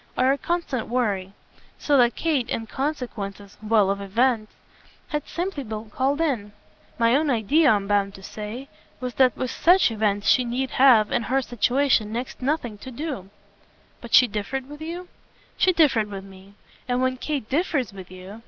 are a constant worry; so that Kate, in consequence well, of events! has simply been called in. My own idea, I'm bound to say, was that with SUCH events she need have, in her situation, next to nothing to do." "But she differed with you?" "She differed with me. And when Kate differs with you